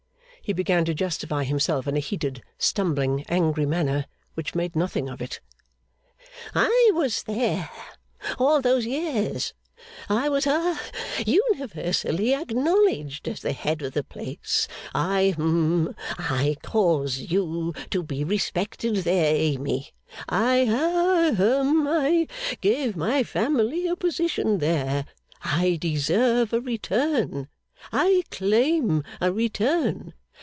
He began to justify himself in a heated, stumbling, angry manner, which made nothing of it. 'I was there all those years. I was ha universally acknowledged as the head of the place. I hum I caused you to be respected there, Amy. I ha hum I gave my family a position there. I deserve a return. I claim a return.